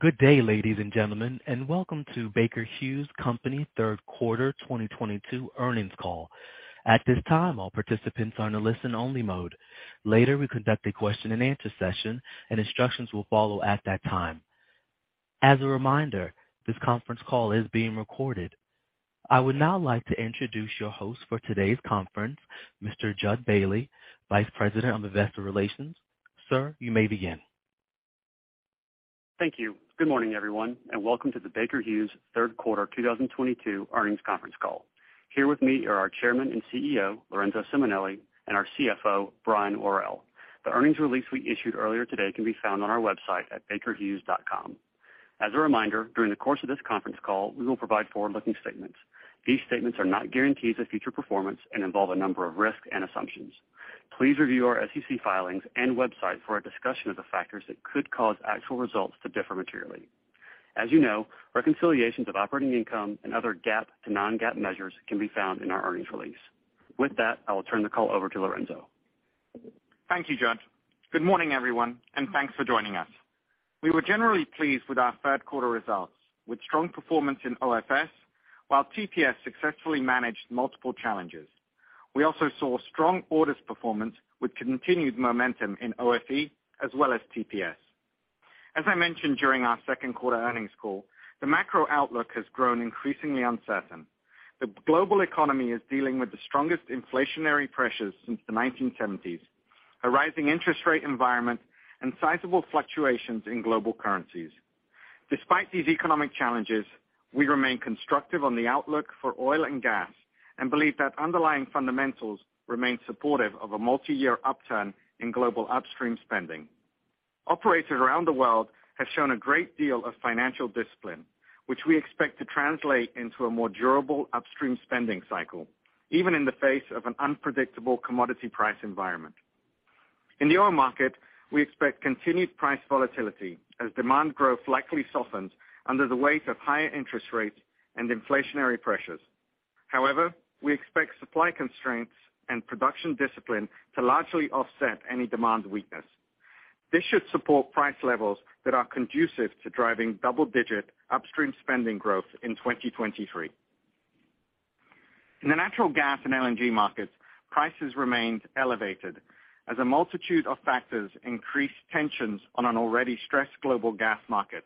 Good day, ladies and gentlemen, and welcome to Baker Hughes Company third quarter 2022 earnings call. At this time, all participants are in a listen-only mode. Later, we conduct a question-and-answer session and instructions will follow at that time. As a reminder, this conference call is being recorded. I would now like to introduce your host for today's conference, Mr. Jud Bailey, Vice President of Investor Relations. Sir, you may begin. Thank you. Good morning everyone, and welcome to the Baker Hughes third quarter 2022 earnings conference call. Here with me are our Chairman and CEO, Lorenzo Simonelli, and our CFO, Brian Worrell. The earnings release we issued earlier today can be found on our website at bakerhughes.com. As a reminder, during the course of this conference call, we will provide forward-looking statements. These statements are not guarantees of future performance and involve a number of risks and assumptions. Please review our SEC filings and website for a discussion of the factors that could cause actual results to differ materially. As you know, reconciliations of operating income and other GAAP to non-GAAP measures can be found in our earnings release. With that, I will turn the call over to Lorenzo. Thank you, Judd. Good morning, everyone, and thanks for joining us. We were generally pleased with our third quarter results, with strong performance in OFS, while TPS successfully managed multiple challenges. We also saw strong orders performance with continued momentum in OFE as well as TPS. As I mentioned during our second quarter earnings call, the macro outlook has grown increasingly uncertain. The global economy is dealing with the strongest inflationary pressures since the 1970s, a rising interest rate environment and sizable fluctuations in global currencies. Despite these economic challenges, we remain constructive on the outlook for oil and gas and believe that underlying fundamentals remain supportive of a multi-year upturn in global upstream spending. Operators around the world have shown a great deal of financial discipline, which we expect to translate into a more durable upstream spending cycle, even in the face of an unpredictable commodity price environment. In the oil market, we expect continued price volatility as demand growth likely softens under the weight of higher interest rates and inflationary pressures. However, we expect supply constraints and production discipline to largely offset any demand weakness. This should support price levels that are conducive to driving double-digit upstream spending growth in 2023. In the natural gas and LNG markets, prices remained elevated as a multitude of factors increased tensions on an already stressed global gas market.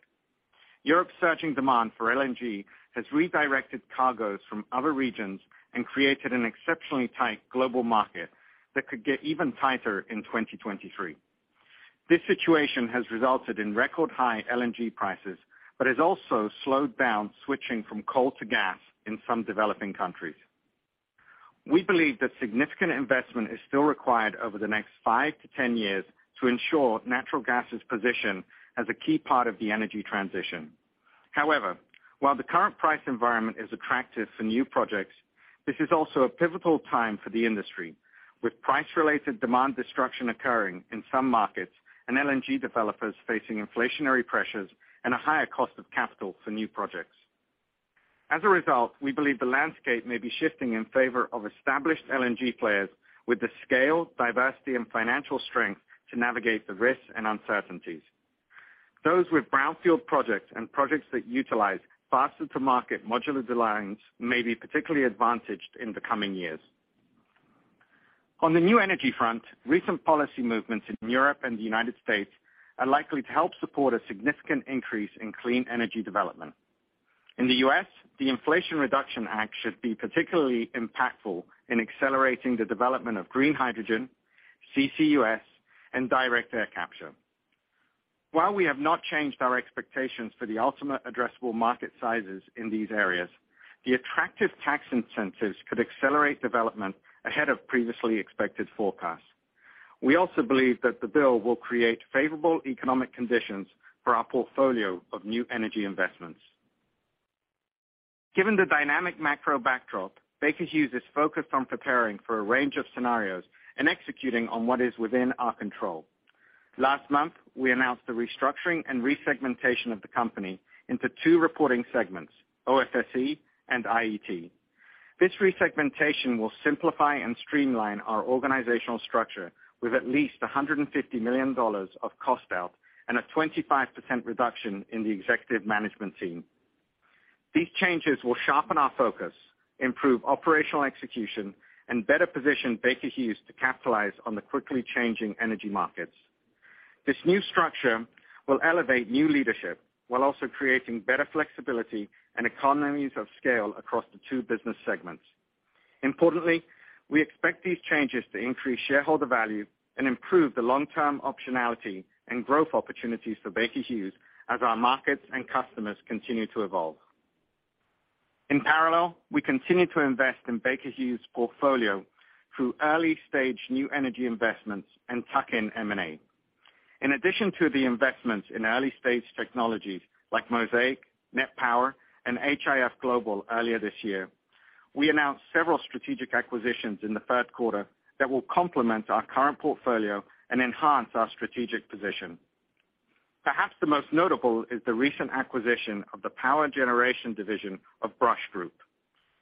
Europe's surging demand for LNG has redirected cargoes from other regions and created an exceptionally tight global market that could get even tighter in 2023. This situation has resulted in record high LNG prices, but has also slowed down switching from coal to gas in some developing countries. We believe that significant investment is still required over the next 5-10 years to ensure natural gas is positioned as a key part of the energy transition. However, while the current price environment is attractive for new projects, this is also a pivotal time for the industry, with price-related demand destruction occurring in some markets and LNG developers facing inflationary pressures and a higher cost of capital for new projects. As a result, we believe the landscape may be shifting in favor of established LNG players with the scale, diversity and financial strength to navigate the risks and uncertainties. Those with brownfield projects and projects that utilize faster to market modular designs may be particularly advantaged in the coming years. On the new energy front, recent policy movements in Europe and the United States are likely to help support a significant increase in clean energy development. In the U.S., the Inflation Reduction Act should be particularly impactful in accelerating the development of green hydrogen, CCUS and direct air capture. While we have not changed our expectations for the ultimate addressable market sizes in these areas, the attractive tax incentives could accelerate development ahead of previously expected forecasts. We also believe that the bill will create favorable economic conditions for our portfolio of new energy investments. Given the dynamic macro backdrop, Baker Hughes is focused on preparing for a range of scenarios and executing on what is within our control. Last month, we announced the restructuring and resegmentation of the company into two reporting segments, OFSE and IET. This resegmentation will simplify and streamline our organizational structure with at least $150 million of cost out and a 25% reduction in the executive management team. These changes will sharpen our focus, improve operational execution, and better position Baker Hughes to capitalize on the quickly changing energy markets. This new structure will elevate new leadership while also creating better flexibility and economies of scale across the two business segments. Importantly, we expect these changes to increase shareholder value and improve the long-term optionality and growth opportunities for Baker Hughes as our markets and customers continue to evolve. In parallel, we continue to invest in Baker Hughes portfolio through early-stage new energy investments and tuck-in M&A. In addition to the investments in early-stage technologies like Mosaic, NET Power and HIF Global earlier this year, we announced several strategic acquisitions in the third quarter that will complement our current portfolio and enhance our strategic position. Perhaps the most notable is the recent acquisition of the power generation division of BRUSH Group,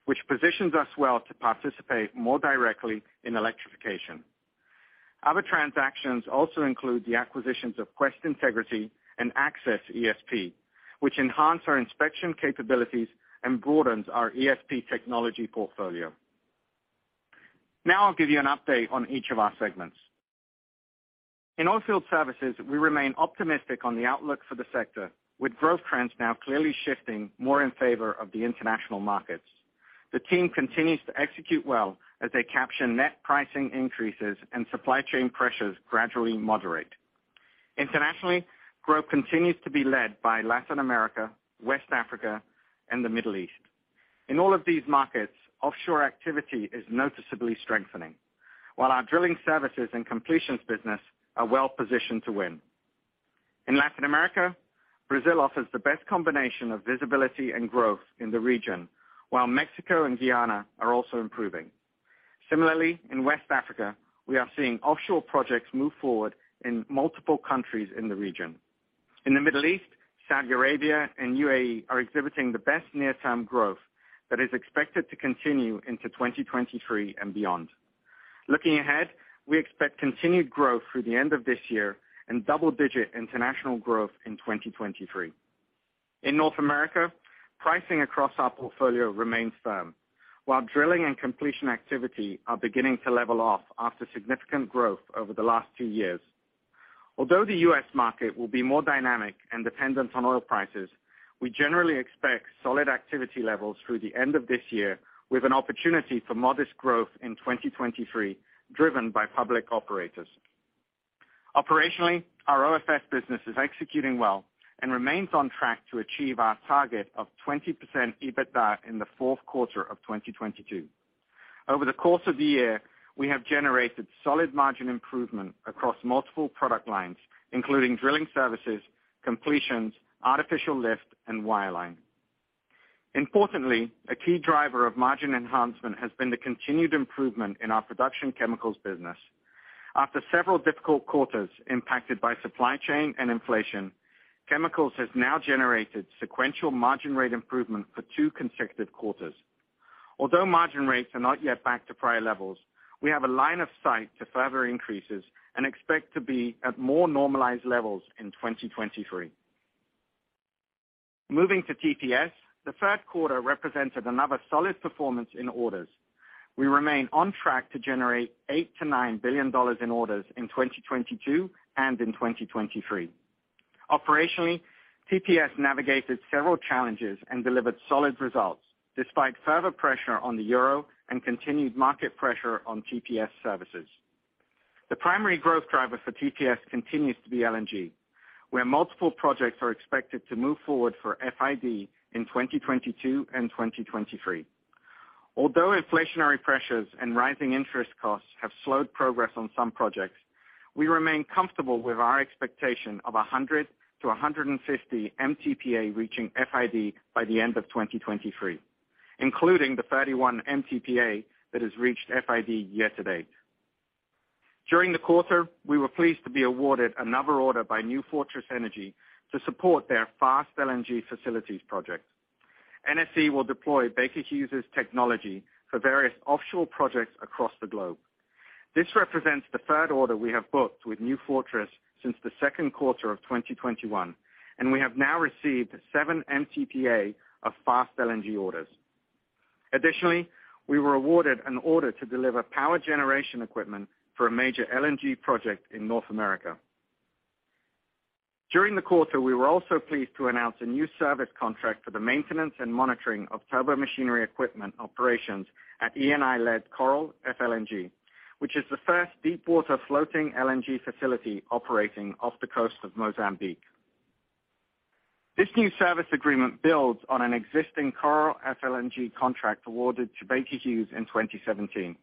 which positions us well to participate more directly in electrification. Other transactions also include the acquisitions of Quest Integrity and Access ESP, which enhance our inspection capabilities and broadens our ESP technology portfolio. Now I'll give you an update on each of our segments. In oilfield services, we remain optimistic on the outlook for the sector, with growth trends now clearly shifting more in favor of the international markets. The team continues to execute well as they capture net pricing increases and supply chain pressures gradually moderate. Internationally, growth continues to be led by Latin America, West Africa, and the Middle East. In all of these markets, offshore activity is noticeably strengthening, while our drilling services and completions business are well-positioned to win. In Latin America, Brazil offers the best combination of visibility and growth in the region, while Mexico and Guyana are also improving. Similarly, in West Africa, we are seeing offshore projects move forward in multiple countries in the region. In the Middle East, Saudi Arabia and UAE are exhibiting the best near-term growth that is expected to continue into 2023 and beyond. Looking ahead, we expect continued growth through the end of this year and double-digit international growth in 2023. In North America, pricing across our portfolio remains firm, while drilling and completion activity are beginning to level off after significant growth over the last two years. Although the U.S. market will be more dynamic and dependent on oil prices, we generally expect solid activity levels through the end of this year, with an opportunity for modest growth in 2023, driven by public operators. Operationally, our OFS business is executing well and remains on track to achieve our target of 20% EBITDA in the fourth quarter of 2022. Over the course of the year, we have generated solid margin improvement across multiple product lines, including drilling services, completions, artificial lift, and wireline. Importantly, a key driver of margin enhancement has been the continued improvement in our production chemicals business. After several difficult quarters impacted by supply chain and inflation, chemicals has now generated sequential margin rate improvement for 2 consecutive quarters. Although margin rates are not yet back to prior levels, we have a line of sight to further increases and expect to be at more normalized levels in 2023. Moving to TPS, the third quarter represented another solid performance in orders. We remain on track to generate $8 billion-$9 billion in orders in 2022 and in 2023. Operationally, TPS navigated several challenges and delivered solid results, despite further pressure on the euro and continued market pressure on TPS services. The primary growth driver for TPS continues to be LNG, where multiple projects are expected to move forward for FID in 2022 and 2023. Although inflationary pressures and rising interest costs have slowed progress on some projects, we remain comfortable with our expectation of 100-150 MTPA reaching FID by the end of 2023, including the 31 MTPA that has reached FID year-to-date. During the quarter, we were pleased to be awarded another order by New Fortress Energy to support their Fast LNG facilities project. NFE will deploy Baker Hughes' technology for various offshore projects across the globe. This represents the third order we have booked with New Fortress since the second quarter of 2021, and we have now received 7 MTPA of Fast LNG orders. Additionally, we were awarded an order to deliver power generation equipment for a major LNG project in North America. During the quarter, we were also pleased to announce a new service contract for the maintenance and monitoring of turbomachinery equipment operations at Eni-led Coral FLNG, which is the first deepwater floating LNG facility operating off the coast of Mozambique. This new service agreement builds on an existing Coral FLNG contract awarded to Baker Hughes in 2017.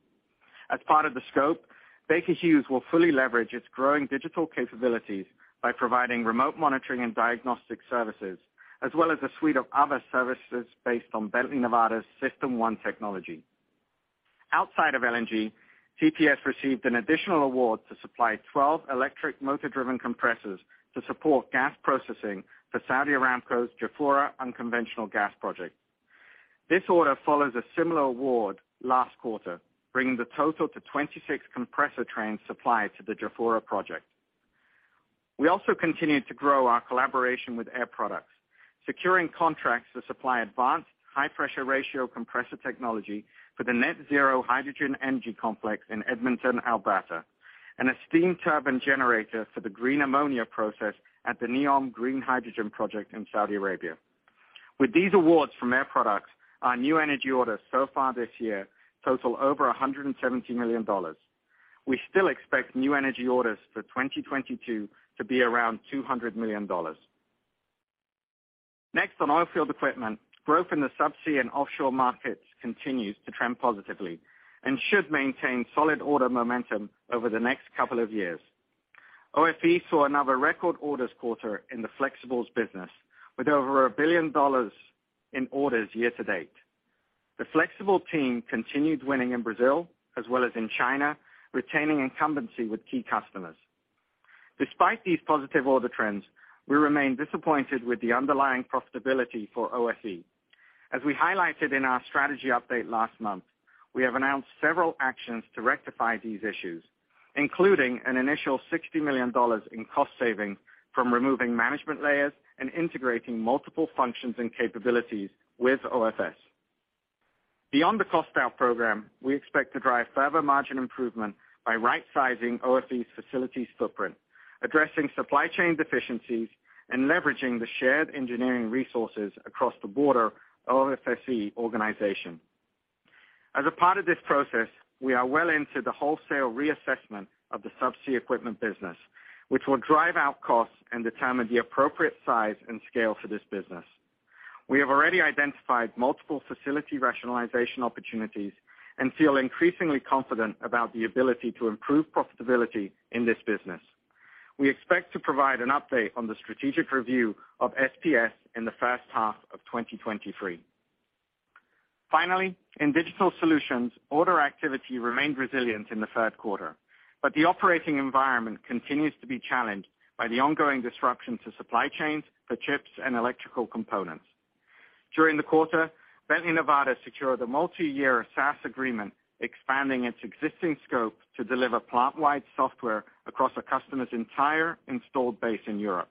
As part of the scope, Baker Hughes will fully leverage its growing digital capabilities by providing remote monitoring and diagnostic services, as well as a suite of other services based on Bently Nevada's System 1 technology. Outside of LNG, TPS received an additional award to supply 12 electric motor-driven compressors to support gas processing for Saudi Aramco's Jubail unconventional gas project. This order follows a similar award last quarter, bringing the total to 26 compressor trains supplied to the Jubail project. We also continued to grow our collaboration with Air Products, securing contracts to supply advanced high-pressure ratio compressor technology for the net zero hydrogen energy complex in Edmonton, Alberta, and a steam turbine generator for the green ammonia process at the NEOM Green Hydrogen project in Saudi Arabia. With these awards from Air Products, our new energy orders so far this year total over $170 million. We still expect new energy orders for 2022 to be around $200 million. Next, on oilfield equipment, growth in the subsea and offshore markets continues to trend positively and should maintain solid order momentum over the next couple of years. OFE saw another record orders quarter in the flexibles business, with over $1 billion in orders year to date. The flexible team continued winning in Brazil as well as in China, retaining incumbency with key customers. Despite these positive order trends, we remain disappointed with the underlying profitability for OFE. As we highlighted in our strategy update last month, we have announced several actions to rectify these issues, including an initial $60 million in cost saving from removing management layers and integrating multiple functions and capabilities with OFS. Beyond the cost out program, we expect to drive further margin improvement by rightsizing OFE's facilities footprint, addressing supply chain deficiencies, and leveraging the shared engineering resources across the broader OFSE organization. As a part of this process, we are well into the wholesale reassessment of the subsea equipment business, which will drive out costs and determine the appropriate size and scale for this business. We have already identified multiple facility rationalization opportunities and feel increasingly confident about the ability to improve profitability in this business. We expect to provide an update on the strategic review of SPS in the first half of 2023. Finally, in digital solutions, order activity remained resilient in the third quarter, but the operating environment continues to be challenged by the ongoing disruption to supply chains for chips and electrical components. During the quarter, Bently Nevada secured a multi-year SaaS agreement, expanding its existing scope to deliver plant-wide software across a customer's entire installed base in Europe.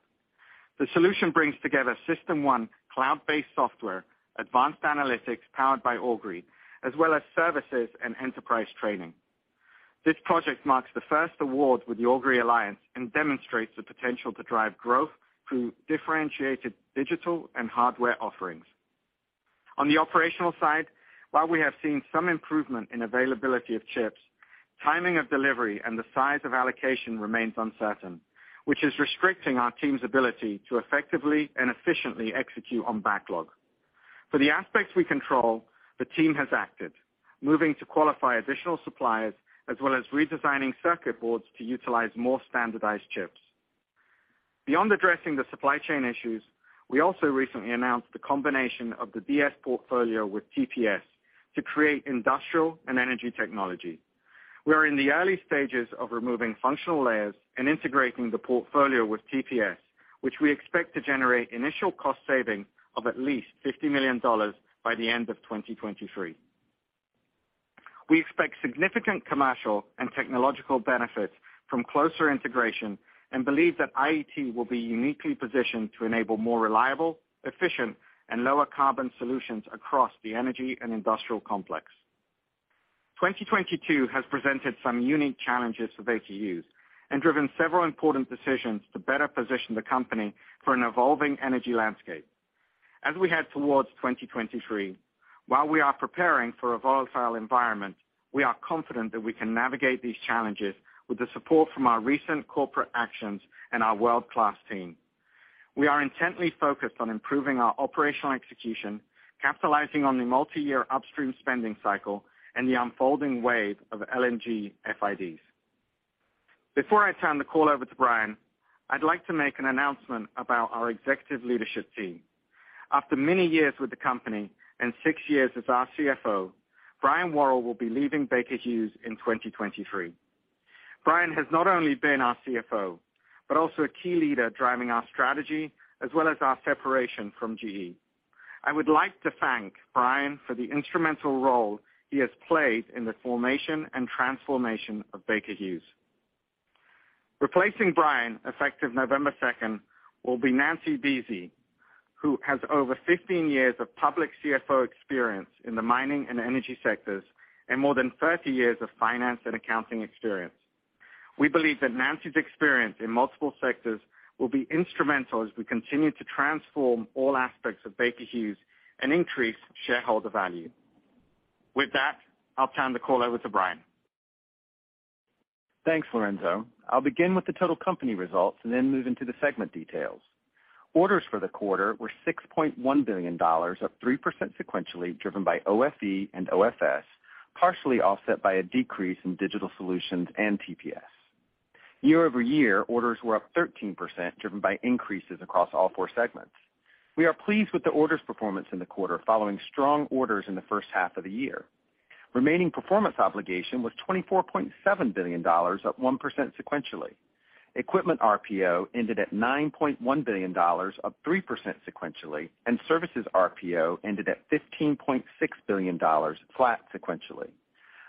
The solution brings together System 1 cloud-based software, advanced analytics powered by Augury, as well as services and enterprise training. This project marks the first award with the Augury alliance and demonstrates the potential to drive growth through differentiated digital and hardware offerings. On the operational side, while we have seen some improvement in availability of chips, timing of delivery and the size of allocation remains uncertain, which is restricting our team's ability to effectively and efficiently execute on backlog. For the aspects we control, the team has acted, moving to qualify additional suppliers as well as redesigning circuit boards to utilize more standardized chips. Beyond addressing the supply chain issues, we also recently announced the combination of the DS portfolio with TPS to create Industrial and Energy Technology. We are in the early stages of removing functional layers and integrating the portfolio with TPS, which we expect to generate initial cost saving of at least $50 million by the end of 2023. We expect significant commercial and technological benefits from closer integration and believe that IET will be uniquely positioned to enable more reliable, efficient, and lower carbon solutions across the energy and industrial complex. 2022 has presented some unique challenges for us and driven several important decisions to better position the company for an evolving energy landscape. As we head towards 2023, while we are preparing for a volatile environment, we are confident that we can navigate these challenges with the support from our recent corporate actions and our world-class team. We are intently focused on improving our operational execution, capitalizing on the multi-year upstream spending cycle and the unfolding wave of LNG FIDs. Before I turn the call over to Brian, I'd like to make an announcement about our executive leadership team. After many years with the company and 6 years as our CFO, Brian Worrell will be leaving Baker Hughes in 2023. Brian has not only been our CFO, but also a key leader driving our strategy as well as our separation from GE. I would like to thank Brian for the instrumental role he has played in the formation and transformation of Baker Hughes. Replacing Brian, effective November 2, will be Nancy Buese, who has over 15 years of public CFO experience in the mining and energy sectors and more than 30 years of finance and accounting experience. We believe that Nancy's experience in multiple sectors will be instrumental as we continue to transform all aspects of Baker Hughes and increase shareholder value. With that, I'll turn the call over to Brian. Thanks, Lorenzo. I'll begin with the total company results and then move into the segment details. Orders for the quarter were $6.1 billion, up 3% sequentially, driven by OFE and OFS, partially offset by a decrease in digital solutions and TPS. Year-over-year, orders were up 13%, driven by increases across all four segments. We are pleased with the orders performance in the quarter following strong orders in the first half of the year. Remaining performance obligation was $24.7 billion, up 1% sequentially. Equipment RPO ended at $9.1 billion, up 3% sequentially, and services RPO ended at $15.6 billion, flat sequentially.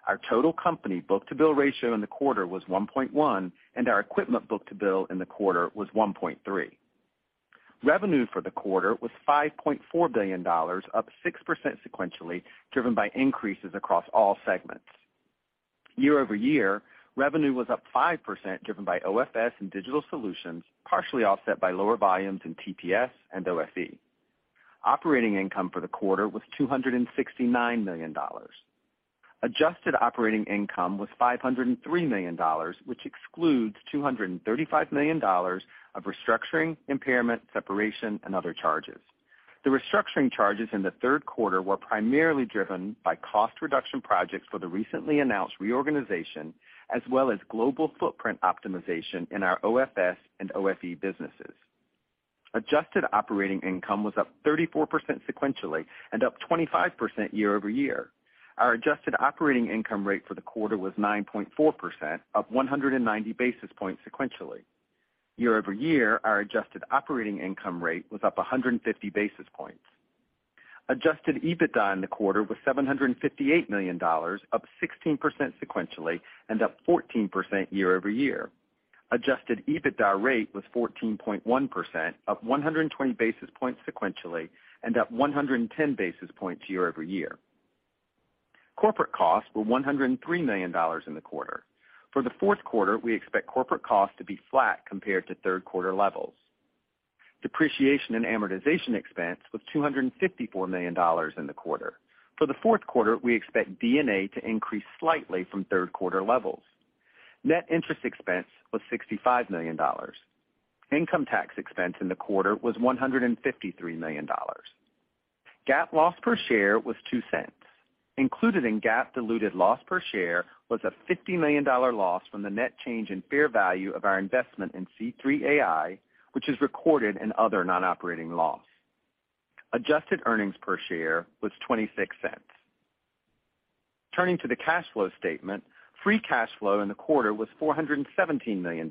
Our total company book-to-bill ratio in the quarter was 1.1, and our equipment book-to-bill in the quarter was 1.3. Revenue for the quarter was $5.4 billion, up 6% sequentially, driven by increases across all segments. Year-over-year, revenue was up 5%, driven by OFS and digital solutions, partially offset by lower volumes in TPS and OFE. Operating income for the quarter was $269 million. Adjusted operating income was $503 million, which excludes $235 million of restructuring, impairment, separation, and other charges. The restructuring charges in the third quarter were primarily driven by cost reduction projects for the recently announced reorganization, as well as global footprint optimization in our OFS and OFE businesses. Adjusted operating income was up 34% sequentially and up 25% year-over-year. Our adjusted operating income rate for the quarter was 9.4%, up 190 basis points sequentially. Year-over-year, our adjusted operating income rate was up 150 basis points. Adjusted EBITDA in the quarter was $758 million, up 16% sequentially and up 14% year-over-year. Adjusted EBITDA rate was 14.1%, up 120 basis points sequentially and up 110 basis points year-over-year. Corporate costs were $103 million in the quarter. For the fourth quarter, we expect corporate costs to be flat compared to third quarter levels. Depreciation and amortization expense was $254 million in the quarter. For the fourth quarter, we expect D&A to increase slightly from third quarter levels. Net interest expense was $65 million. Income tax expense in the quarter was $153 million. GAAP loss per share was $0.02. Included in GAAP diluted loss per share was a $50 million loss from the net change in fair value of our investment in C3.ai, which is recorded in other non-operating loss. Adjusted earnings per share was $0.26. Turning to the cash flow statement. Free cash flow in the quarter was $417 million.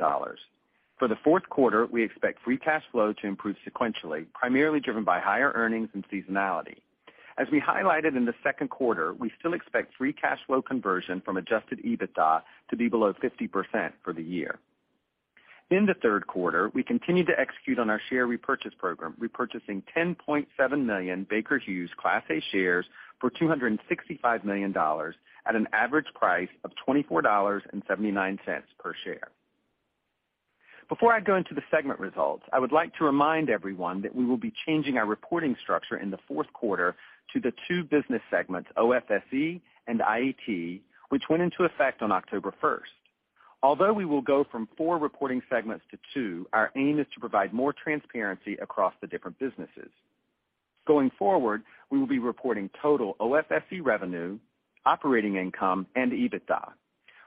For the fourth quarter, we expect free cash flow to improve sequentially, primarily driven by higher earnings and seasonality. As we highlighted in the second quarter, we still expect free cash flow conversion from adjusted EBITDA to be below 50% for the year. In the third quarter, we continued to execute on our share repurchase program, repurchasing 10.7 million Baker Hughes Class A shares for $265 million at an average price of $24.79 per share. Before I go into the segment results, I would like to remind everyone that we will be changing our reporting structure in the fourth quarter to the two business segments, OFSE and IET, which went into effect on October first. Although we will go from four reporting segments to two, our aim is to provide more transparency across the different businesses. Going forward, we will be reporting total OFSE revenue, operating income and EBITDA.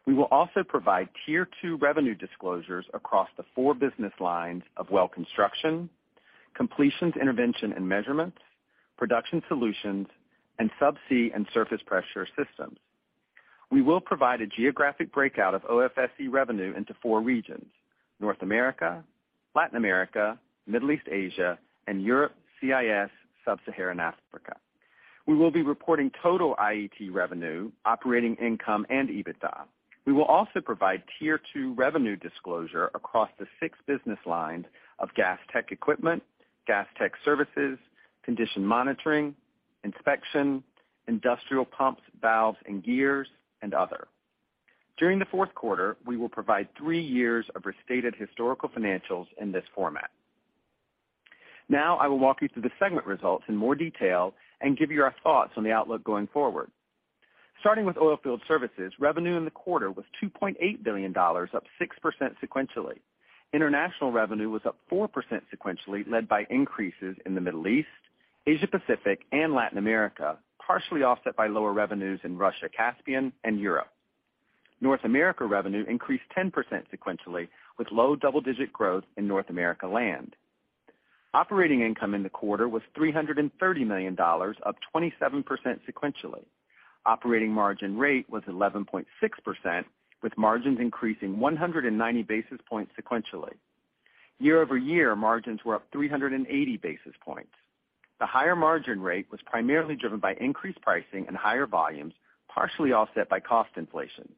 We will also provide tier two revenue disclosures across the four business lines of well construction, completions, intervention and measurements, production solutions and subsea and surface pressure systems. We will provide a geographic breakout of OFSE revenue into four regions, North America, Latin America, Middle East & Asia, and Europe & CIS, Sub-Saharan Africa. We will be reporting total IET revenue, operating income and EBITDA. We will also provide tier two revenue disclosure across the six business lines of gas tech equipment, gas tech services, condition monitoring, inspection, industrial pumps, valves and gears, and other. During the fourth quarter, we will provide three years of restated historical financials in this format. Now, I will walk you through the segment results in more detail and give you our thoughts on the outlook going forward. Starting with oilfield services, revenue in the quarter was $2.8 billion, up 6% sequentially. International revenue was up 4% sequentially, led by increases in the Middle East, Asia Pacific and Latin America, partially offset by lower revenues in Russia, Caspian and Europe. North America revenue increased 10% sequentially, with low double-digit growth in North America land. Operating income in the quarter was $330 million, up 27% sequentially. Operating margin rate was 11.6%, with margins increasing 190 basis points sequentially. Year-over-year, margins were up 380 basis points. The higher margin rate was primarily driven by increased pricing and higher volumes, partially offset by cost inflation.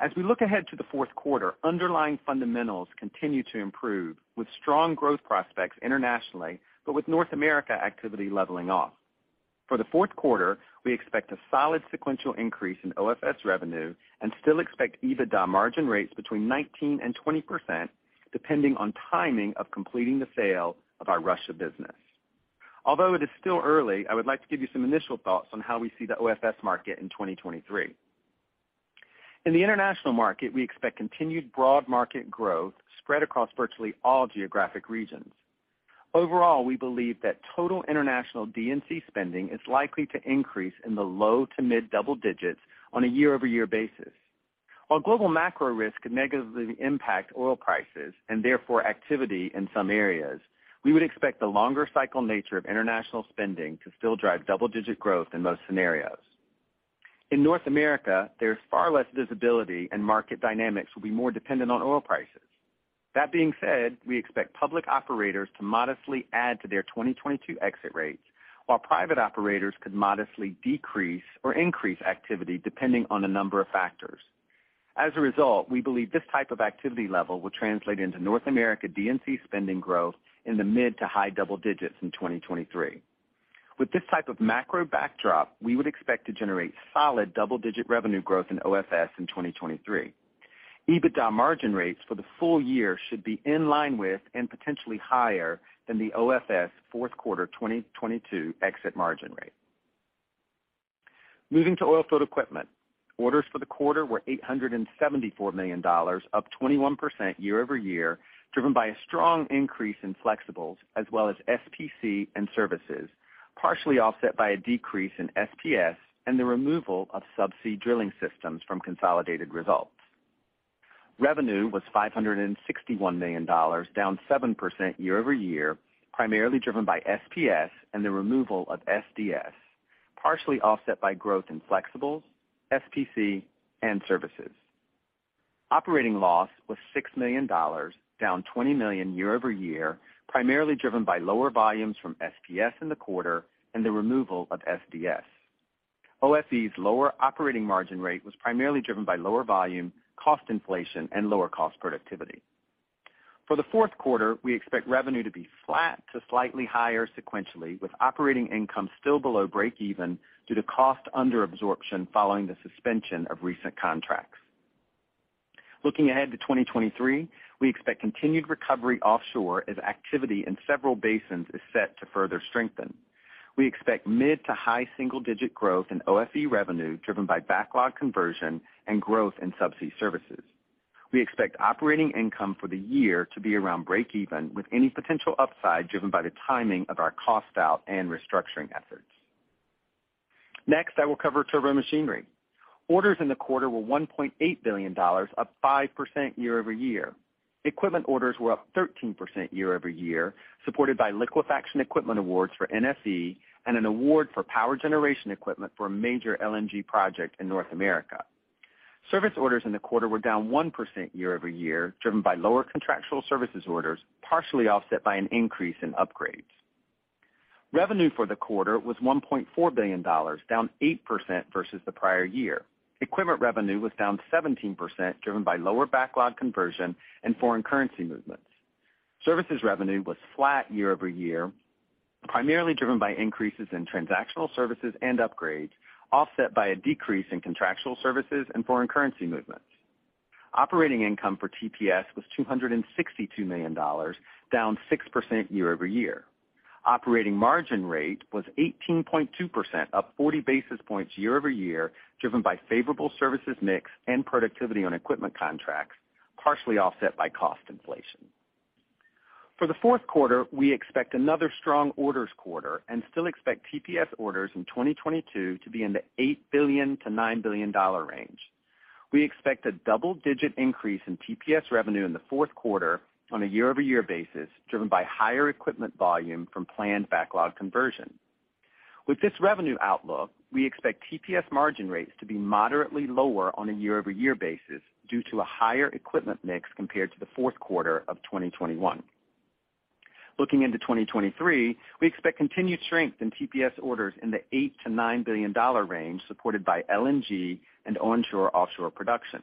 As we look ahead to the fourth quarter, underlying fundamentals continue to improve, with strong growth prospects internationally, but with North America activity leveling off. For the fourth quarter, we expect a solid sequential increase in OFS revenue and still expect EBITDA margin rates between 19% and 20%, depending on timing of completing the sale of our Russia business. Although it is still early, I would like to give you some initial thoughts on how we see the OFS market in 2023. In the international market, we expect continued broad market growth spread across virtually all geographic regions. Overall, we believe that total international D&C spending is likely to increase in the low- to mid-double digits on a year-over-year basis. While global macro risk could negatively impact oil prices and therefore activity in some areas, we would expect the longer cycle nature of international spending to still drive double-digit growth in most scenarios. In North America, there's far less visibility and market dynamics will be more dependent on oil prices. That being said, we expect public operators to modestly add to their 2022 exit rates, while private operators could modestly decrease or increase activity depending on a number of factors. As a result, we believe this type of activity level will translate into North America D&C spending growth in the mid- to high-double digits in 2023. With this type of macro backdrop, we would expect to generate solid double-digit revenue growth in OFS in 2023. EBITDA margin rates for the full year should be in line with and potentially higher than the OFS fourth quarter 2022 exit margin rate. Moving to oilfield equipment. Orders for the quarter were $874 million, up 21% year-over-year, driven by a strong increase in flexibles as well as SPC and services, partially offset by a decrease in SPS and the removal of subsea drilling systems from consolidated results. Revenue was $561 million, down 7% year-over-year, primarily driven by SPS and the removal of SDS, partially offset by growth in flexibles, FPC and services. Operating loss was $6 million, down $20 million year-over-year, primarily driven by lower volumes from SPS in the quarter and the removal of SDS. OFE's lower operating margin rate was primarily driven by lower volume, cost inflation, and lower cost productivity. For the fourth quarter, we expect revenue to be flat to slightly higher sequentially, with operating income still below break even due to cost under absorption following the suspension of recent contracts. Looking ahead to 2023, we expect continued recovery offshore as activity in several basins is set to further strengthen. We expect mid- to high single-digit growth in OFE revenue driven by backlog conversion and growth in subsea services. We expect operating income for the year to be around break even with any potential upside driven by the timing of our cost out and restructuring efforts. Next, I will cover Turbomachinery. Orders in the quarter were $1.8 billion, up 5% year-over-year. Equipment orders were up 13% year-over-year, supported by liquefaction equipment awards for NFE and an award for power generation equipment for a major LNG project in North America. Service orders in the quarter were down 1% year-over-year, driven by lower contractual services orders, partially offset by an increase in upgrades. Revenue for the quarter was $1.4 billion, down 8% versus the prior year. Equipment revenue was down 17%, driven by lower backlog conversion and foreign currency movements. Services revenue was flat year-over-year, primarily driven by increases in transactional services and upgrades, offset by a decrease in contractual services and foreign currency movements. Operating income for TPS was $262 million, down 6% year-over-year. Operating margin rate was 18.2%, up 40 basis points year-over-year, driven by favorable services mix and productivity on equipment contracts, partially offset by cost inflation. For the fourth quarter, we expect another strong orders quarter and still expect TPS orders in 2022 to be in the $8 billion-$9 billion range. We expect a double-digit increase in TPS revenue in the fourth quarter on a year-over-year basis, driven by higher equipment volume from planned backlog conversion. With this revenue outlook, we expect TPS margin rates to be moderately lower on a year-over-year basis due to a higher equipment mix compared to the fourth quarter of 2021. Looking into 2023, we expect continued strength in TPS orders in the $8 billion-$9 billion range supported by LNG and onshore-offshore production.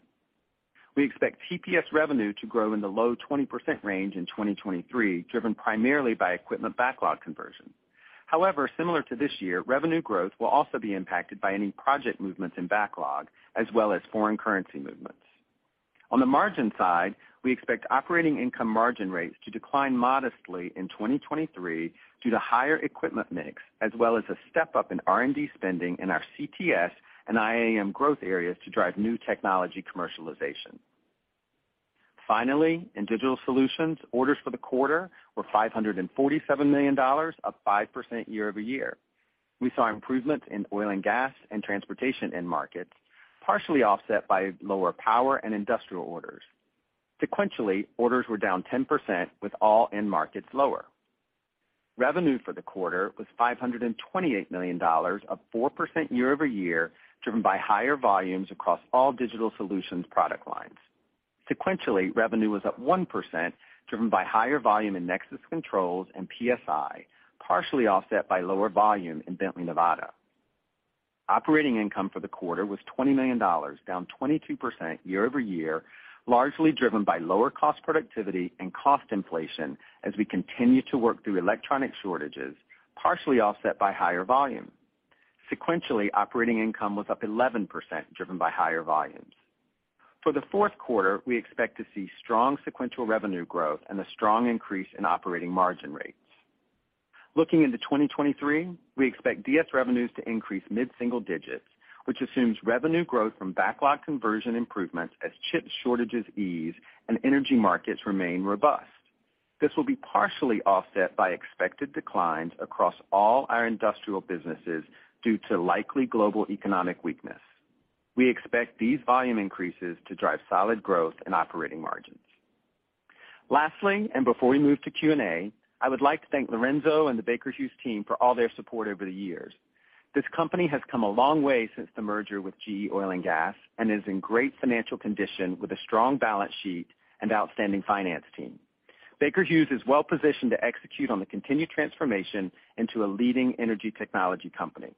We expect TPS revenue to grow in the low 20% range in 2023, driven primarily by equipment backlog conversion. However, similar to this year, revenue growth will also be impacted by any project movements in backlog as well as foreign currency movements. On the margin side, we expect operating income margin rates to decline modestly in 2023 due to higher equipment mix, as well as a step-up in R&D spending in our CTS and IAM growth areas to drive new technology commercialization. Finally, in digital solutions, orders for the quarter were $547 million, up 5% year-over-year. We saw improvements in oil and gas and transportation end markets, partially offset by lower power and industrial orders. Sequentially, orders were down 10% with all end markets lower. Revenue for the quarter was $528 million, up 4% year-over-year, driven by higher volumes across all digital solutions product lines. Sequentially, revenue was up 1%, driven by higher volume in Nexus Controls and PSI, partially offset by lower volume in Bently Nevada. Operating income for the quarter was $20 million, down 22% year-over-year, largely driven by lower cost productivity and cost inflation as we continue to work through electronic shortages, partially offset by higher volume. Sequentially, operating income was up 11%, driven by higher volumes. For the fourth quarter, we expect to see strong sequential revenue growth and a strong increase in operating margin rates. Looking into 2023, we expect DS revenues to increase mid-single digits, which assumes revenue growth from backlog conversion improvements as chip shortages ease and energy markets remain robust. This will be partially offset by expected declines across all our industrial businesses due to likely global economic weakness. We expect these volume increases to drive solid growth and operating margins. Lastly, before we move to Q&A, I would like to thank Lorenzo and the Baker Hughes team for all their support over the years. This company has come a long way since the merger with GE Oil & Gas and is in great financial condition with a strong balance sheet and outstanding finance team. Baker Hughes is well-positioned to execute on the continued transformation into a leading energy technology company.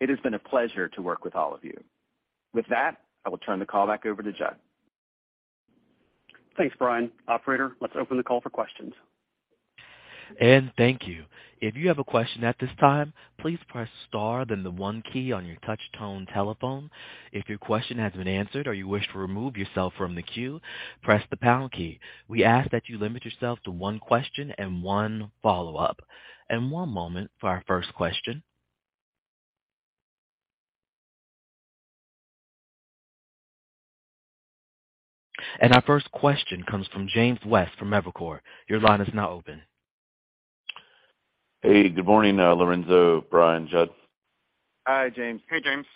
It has been a pleasure to work with all of you. With that, I will turn the call back over to Jud. Thanks, Brian. Operator, let's open the call for questions. Thank you. If you have a question at this time, please press star, then the one key on your touch tone telephone. If your question has been answered or you wish to remove yourself from the queue, press the pound key. We ask that you limit yourself to one question and one follow-up. One moment for our first question. Our first question comes from James West from Evercore. Your line is now open. Hey, good morning, Lorenzo, Brian, Judd. Hi, James. Hey, James.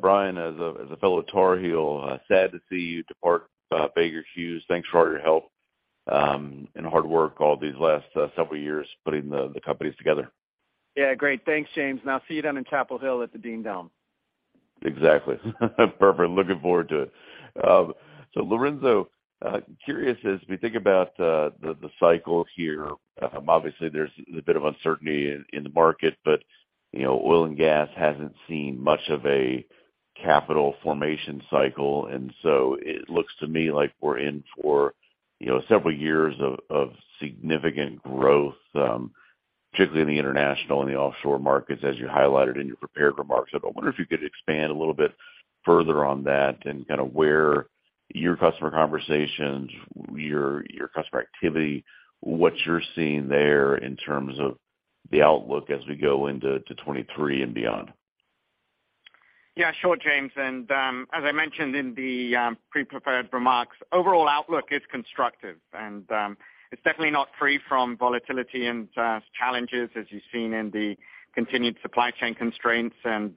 Brian, as a fellow Tar Heel, sad to see you depart Baker Hughes. Thanks for all your help and hard work all these last several years putting the companies together. Yeah. Great. Thanks, James. I'll see you down in Chapel Hill at the Dean Dome. Exactly. Perfect. Looking forward to it. Lorenzo, curious, as we think about the cycle here, obviously there's a bit of uncertainty in the market, but you know, oil and gas hasn't seen much of a capital formation cycle. It looks to me like we're in for you know, several years of significant growth, particularly in the international and the offshore markets as you highlighted in your prepared remarks. I wonder if you could expand a little bit further on that and kind of where your customer conversations, your customer activity, what you're seeing there in terms of the outlook as we go into 2023 and beyond. Yeah, sure, James. As I mentioned in the pre-prepared remarks, overall outlook is constructive and it's definitely not free from volatility and challenges as you've seen in the continued supply chain constraints and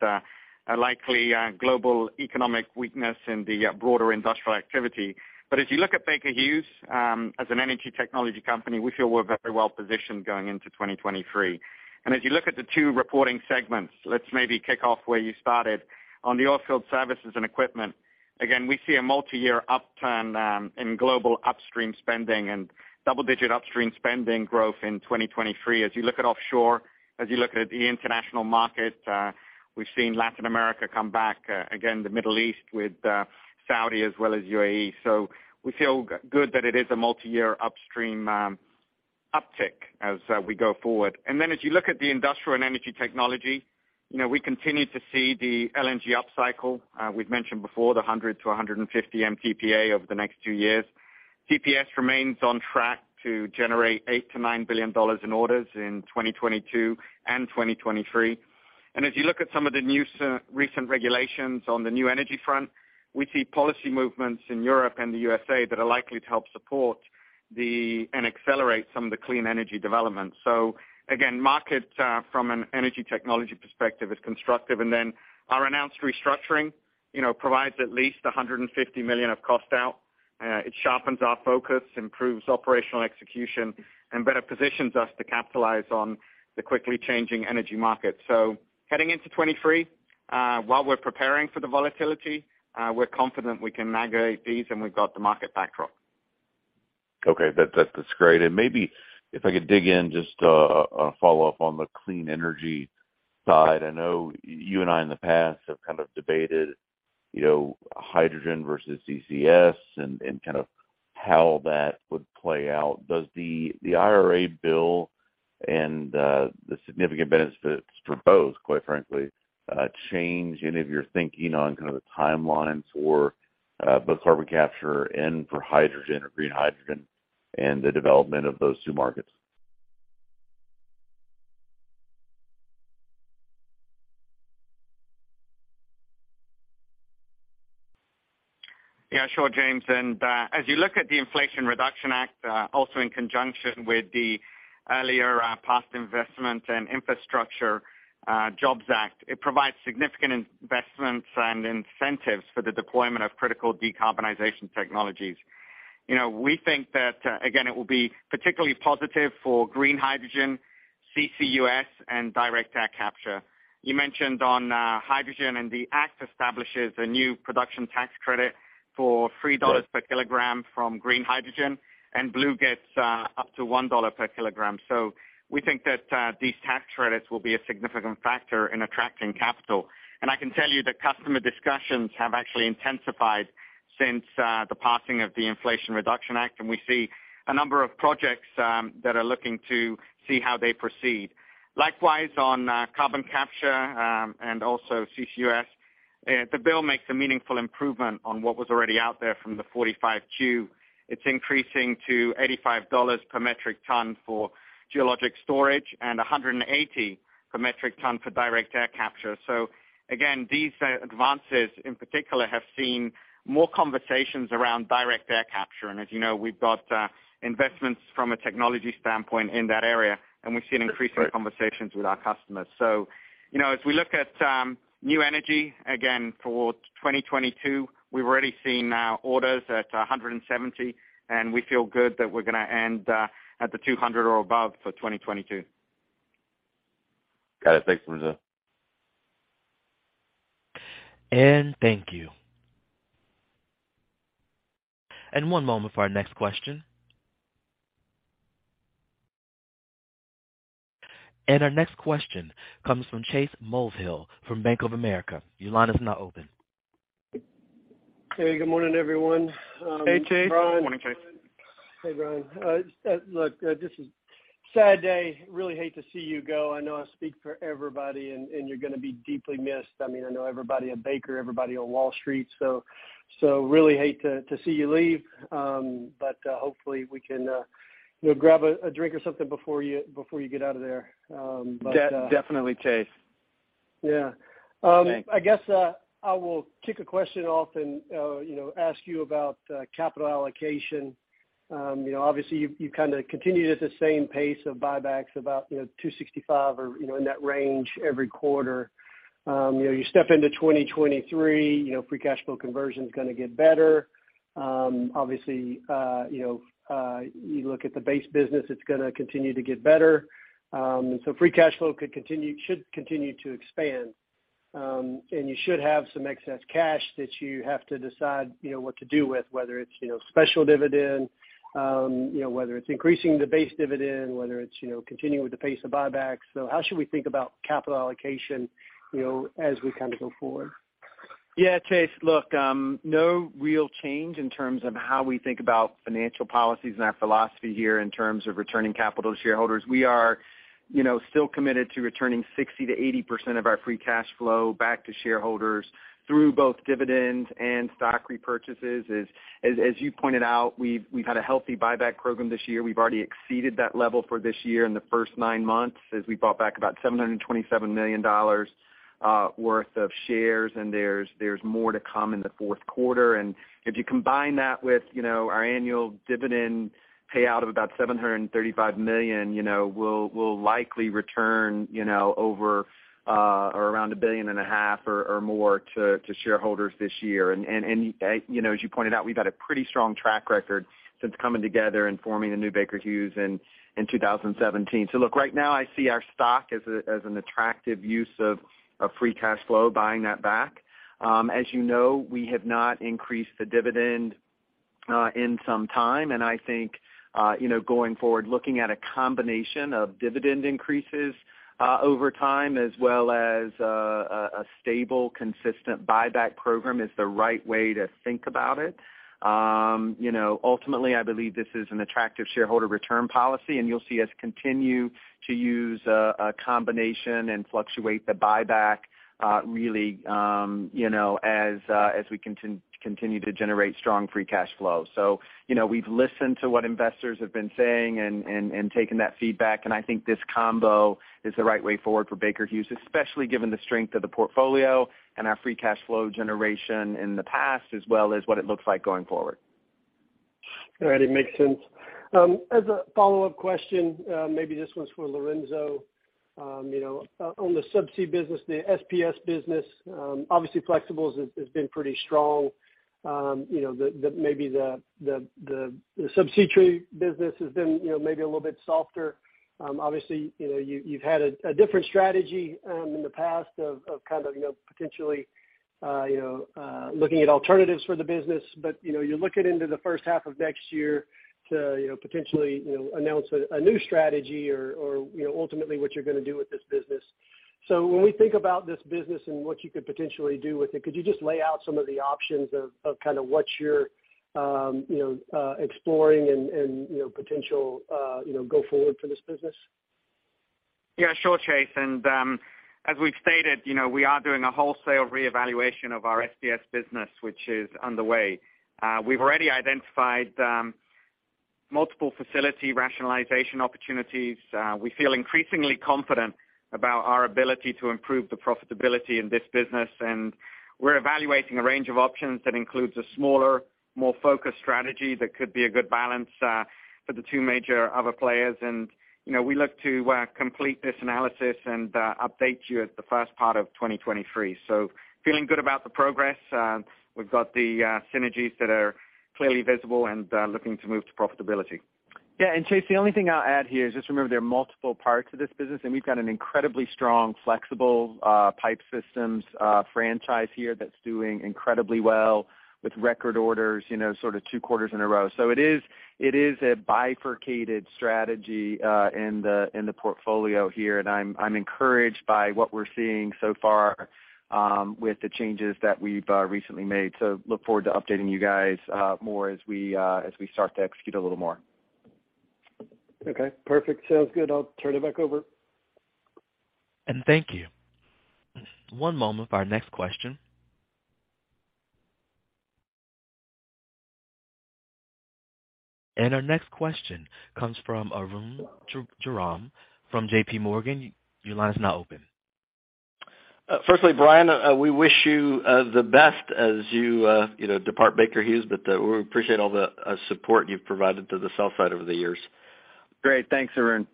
likely global economic weakness in the broader industrial activity. As you look at Baker Hughes, as an energy technology company, we feel we're very well positioned going into 2023. As you look at the two reporting segments, let's maybe kick off where you started. On the Oilfield Services and Equipment, again, we see a multi-year upturn in global upstream spending and double-digit upstream spending growth in 2023. As you look at offshore, as you look at the international market, we've seen Latin America come back, again, the Middle East with Saudi as well as UAE. We feel good that it is a multi-year upstream uptick as we go forward. Then as you look at the industrial and energy technology, you know, we continue to see the LNG upcycle, we've mentioned before, the 100-150 MTPA over the next two years. TPS remains on track to generate $8 billion-$9 billion in orders in 2022 and 2023. As you look at some of the recent regulations on the new energy front, we see policy movements in Europe and the U.S.A that are likely to help support the and accelerate some of the clean energy development. Again, markets from an energy technology perspective is constructive. Then our announced restructuring, you know, provides at least $150 million of cost out. It sharpens our focus, improves operational execution, and better positions us to capitalize on the quickly changing energy market. Heading into 2023, while we're preparing for the volatility, we're confident we can navigate these, and we've got the market backdrop. Okay. That's great. Maybe if I could dig in just a follow-up on the clean energy side. I know you and I in the past have kind of debated, you know, hydrogen versus CCS and kind of how that would play out. Does the IRA bill and the significant benefits for both, quite frankly, change any of your thinking on kind of the timelines for both carbon capture and for hydrogen or green hydrogen and the development of those two markets? Yeah, sure, James. As you look at the Inflation Reduction Act, also in conjunction with the earlier Infrastructure Investment and Jobs Act, it provides significant investments and incentives for the deployment of critical decarbonization technologies. You know, we think that, again, it will be particularly positive for green hydrogen, CCUS, and direct air capture. You mentioned on hydrogen and the act establishes a new production tax credit for $3 per kilogram for green hydrogen and blue gets up to $1 per kilogram. We think that these tax credits will be a significant factor in attracting capital. I can tell you that customer discussions have actually intensified since the passing of the Inflation Reduction Act, and we see a number of projects that are looking to see how they proceed. Likewise, on carbon capture and also CCUS, the bill makes a meaningful improvement on what was already out there from the Section 45Q. It's increasing to $85 per metric ton for geologic storage and $180 per metric ton for direct air capture. Again, these advances in particular have seen more conversations around direct air capture. As you know, we've got investments from a technology standpoint in that area, and we've seen increasing conversations with our customers. You know, as we look at new energy again for 2022, we've already seen orders at 170, and we feel good that we're gonna end at 200 or above for 2022. Got it. Thanks, Lorenzo. Thank you. One moment for our next question. Our next question comes from Chase Mulvehill from Bank of America. Your line is now open. Hey, good morning, everyone. Hey, Chase. Morning, Chase. Hey, Brian. This is a sad day. I really hate to see you go. I know I speak for everybody, and you're gonna be deeply missed. I mean, I know everybody at Baker, everybody on Wall Street, so I really hate to see you leave. Hopefully we can, you know, grab a drink or something before you get out of there. Definitely, Chase. Yeah. I guess I will kick a question off and, you know, ask you about capital allocation. You know, obviously you've kinda continued at the same pace of buybacks about, you know, $265 or, you know, in that range every quarter. You know, you step into 2023, you know, free cash flow conversion's gonna get better. Obviously, you know, you look at the base business, it's gonna continue to get better. Free cash flow should continue to expand. You should have some excess cash that you have to decide, you know, what to do with, whether it's, you know, special dividend, you know, whether it's increasing the base dividend, whether it's, you know, continuing with the pace of buybacks. How should we think about capital allocation, you know, as we kind of go forward? Yeah, Chase, look, no real change in terms of how we think about financial policies and our philosophy here in terms of returning capital to shareholders. We are, you know, still committed to returning 60%-80% of our free cash flow back to shareholders through both dividends and stock repurchases. As you pointed out, we've had a healthy buyback program this year. We've already exceeded that level for this year in the first nine months, as we bought back about $727 million worth of shares, and there's more to come in the fourth quarter. If you combine that with, you know, our annual dividend payout of about $735 million, you know, we'll likely return, you know, over or around $1.5 billion or more to shareholders this year. You know, as you pointed out, we've had a pretty strong track record since coming together and forming the new Baker Hughes in 2017. Look, right now I see our stock as an attractive use of free cash flow, buying that back. As you know, we have not increased the dividend in some time. I think you know, going forward, looking at a combination of dividend increases over time, as well as a stable, consistent buyback program is the right way to think about it. You know, ultimately, I believe this is an attractive shareholder return policy, and you'll see us continue to use a combination and fluctuate the buyback, really, you know, as we continue to generate strong free cash flow. You know, we've listened to what investors have been saying and taken that feedback, and I think this combo is the right way forward for Baker Hughes, especially given the strength of the portfolio and our free cash flow generation in the past, as well as what it looks like going forward. All right. It makes sense. As a follow-up question, maybe this one's for Lorenzo. You know, on the subsea business, the SPS business, obviously Flexibles has been pretty strong. You know, maybe the subsea tree business has been, you know, maybe a little bit softer. Obviously, you know, you've had a different strategy in the past of kind of, you know, potentially looking at alternatives for the business. You know, you're looking into the first half of next year to, you know, potentially announce a new strategy or, you know, ultimately what you're gonna do with this business. When we think about this business and what you could potentially do with it, could you just lay out some of the options of kind of what you're you know exploring and you know potential you know go forward for this business? Yeah, sure, Chase. As we've stated, you know, we are doing a wholesale reevaluation of our SPS business, which is underway. We've already identified multiple facility rationalization opportunities. We feel increasingly confident about our ability to improve the profitability in this business, and we're evaluating a range of options that includes a smaller, more focused strategy that could be a good balance for the two major other players. You know, we look to complete this analysis and update you at the first part of 2023. Feeling good about the progress. We've got the synergies that are clearly visible and looking to move to profitability. Chase, the only thing I'll add here is just remember there are multiple parts of this business, and we've got an incredibly strong flexible pipe systems franchise here that's doing incredibly well with record orders, you know, sort of two quarters in a row. It is a bifurcated strategy in the portfolio here, and I'm encouraged by what we're seeing so far with the changes that we've recently made. Look forward to updating you guys more as we start to execute a little more. Okay. Perfect. Sounds good. I'll turn it back over. Thank you. One moment for our next question. Our next question comes from Arun Jayaram from J.P. Morgan. Your line is now open. Firstly, Brian, we wish you the best as you know depart Baker Hughes, but we appreciate all the support you've provided to the sell side over the years. Great. Thanks, Arun.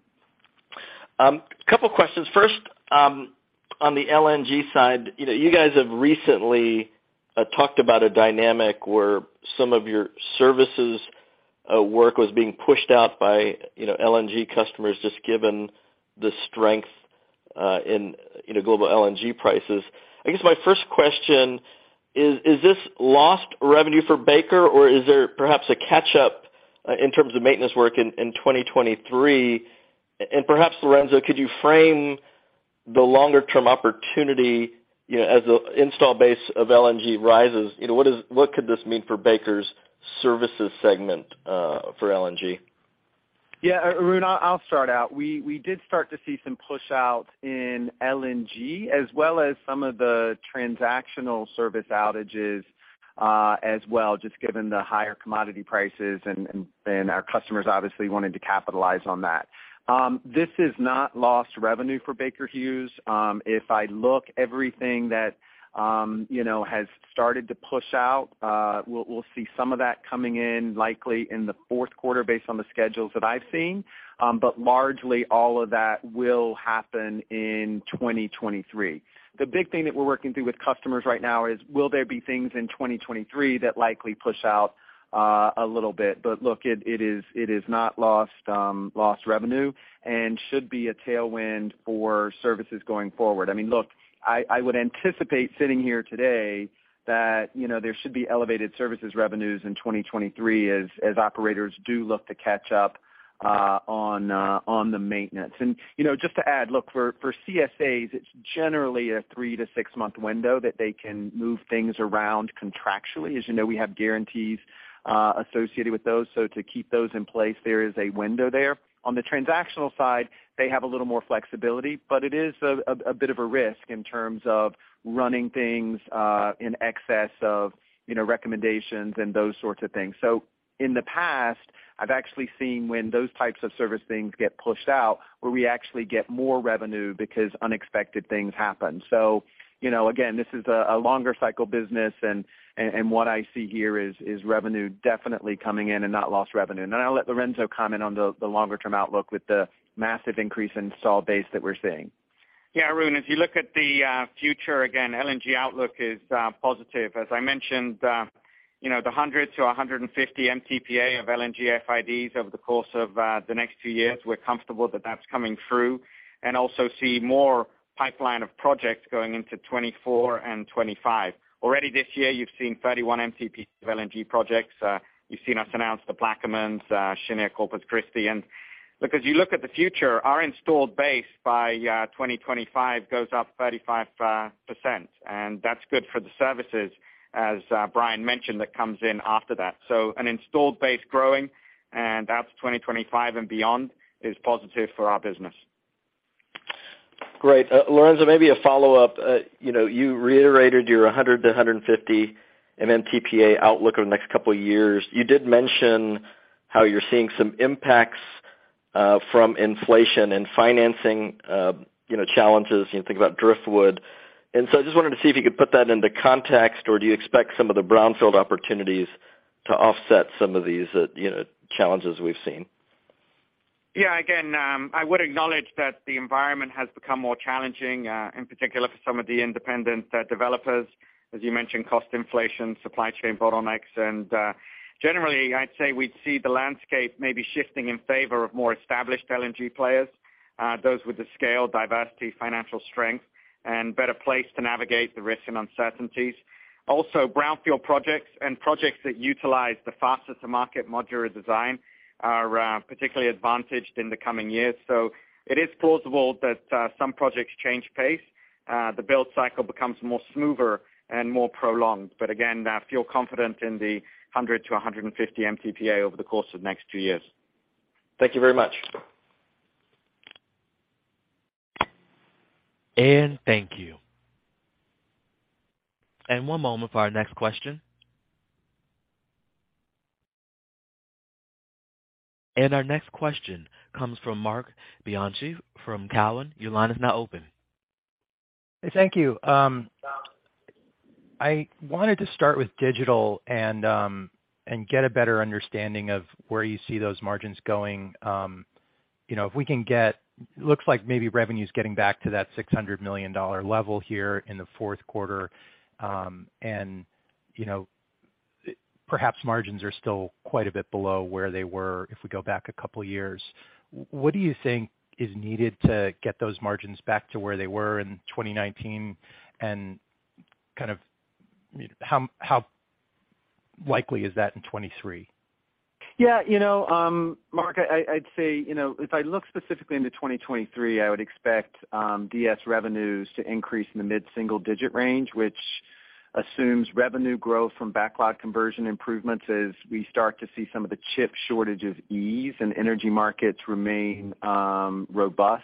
Couple questions. First, on the LNG side. You know, you guys have recently talked about a dynamic where some of your services work was being pushed out by, you know, LNG customers, just given the strength in, you know, global LNG prices. I guess my first question is this lost revenue for Baker, or is there perhaps a catch up in terms of maintenance work in 2023? And perhaps, Lorenzo, could you frame the longer term opportunity, you know, as the install base of LNG rises? You know, what could this mean for Baker's services segment for LNG? Arun, I'll start out. We did start to see some push out in LNG as well as some of the transactional service outages, as well, just given the higher commodity prices and our customers obviously wanted to capitalize on that. This is not lost revenue for Baker Hughes. If I look at everything that you know has started to push out, we'll see some of that coming in likely in the fourth quarter based on the schedules that I've seen. Largely all of that will happen in 2023. The big thing that we're working through with customers right now is will there be things in 2023 that likely push out a little bit. Look, it is not lost revenue and should be a tailwind for services going forward. I mean, look, I would anticipate sitting here today that, you know, there should be elevated services revenues in 2023 as operators do look to catch up on the maintenance. You know, just to add, look, for CSAs, it's generally a three- to six-month window that they can move things around contractually. As you know, we have guarantees associated with those. To keep those in place, there is a window there. On the transactional side, they have a little more flexibility, but it is a bit of a risk in terms of running things in excess of, you know, recommendations and those sorts of things. In the past, I've actually seen when those types of service things get pushed out where we actually get more revenue because unexpected things happen. you know, again, this is a longer cycle business and what I see here is revenue definitely coming in and not lost revenue. Then I'll let Lorenzo comment on the longer-term outlook with the massive increase in install base that we're seeing. Yeah, Arun, if you look at the future, again, LNG outlook is positive. As I mentioned, you know, the 100-150 MTPA of LNG FIDs over the course of the next two years, we're comfortable that that's coming through and also see more pipeline of projects going into 2024 and 2025. Already this year, you've seen 31 MTPA of LNG projects. You've seen us announce the Plaquemines, Cheniere Corpus Christi. Look, as you look at the future, our installed base by 2025 goes up 35%, and that's good for the services, as Brian mentioned, that comes in after that. An installed base growing and out to 2025 and beyond is positive for our business. Great. Lorenzo, maybe a follow-up. You know, you reiterated your 100-150 MTPA outlook over the next couple of years. You did mention how you're seeing some impacts from inflation and financing, you know, challenges, you know, think about Driftwood. I just wanted to see if you could put that into context, or do you expect some of the brownfield opportunities to offset some of these, you know, challenges we've seen? Yeah. Again, I would acknowledge that the environment has become more challenging, in particular for some of the independent developers, as you mentioned, cost inflation, supply chain bottlenecks. Generally, I'd say we'd see the landscape maybe shifting in favor of more established LNG players, those with the scale, diversity, financial strength, and better placed to navigate the risks and uncertainties. Also, brownfield projects and projects that utilize the faster-to-market modular design are particularly advantaged in the coming years. It is plausible that some projects change pace. The build cycle becomes more smoother and more prolonged. Again, I feel confident in 100-150 MTPA over the course of the next two years. Thank you very much. Thank you. One moment for our next question. Our next question comes from Marc Bianchi from Cowen. Your line is now open. Thank you. I wanted to start with digital and get a better understanding of where you see those margins going. You know, looks like maybe revenue's getting back to that $600 million level here in the fourth quarter. You know, perhaps margins are still quite a bit below where they were if we go back a couple years. What do you think is needed to get those margins back to where they were in 2019? Kind of, how likely is that in 2023? Yeah, you know, Marc, I'd say, you know, if I look specifically into 2023, I would expect DS revenues to increase in the mid-single digit range, which assumes revenue growth from backlog conversion improvements as we start to see some of the chip shortages ease and energy markets remain robust.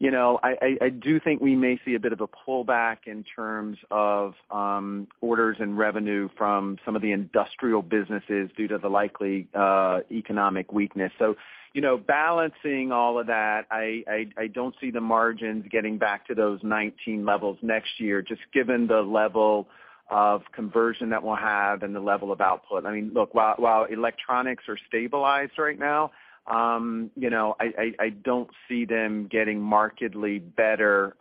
You know, I do think we may see a bit of a pullback in terms of orders and revenue from some of the industrial businesses due to the likely economic weakness. You know, balancing all of that, I don't see the margins getting back to those 19 levels next year, just given the level of conversion that we'll have and the level of output. I mean, look, while electronics are stabilized right now, you know, I don't see them getting markedly better,